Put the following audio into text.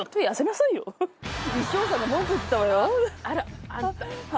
あらあんた